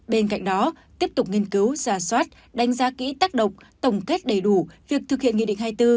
bên cạnh đó tiếp tục nghiên cứu giả soát đánh giá kỹ tác động tổng kết đầy đủ việc thực hiện nghị định hai mươi bốn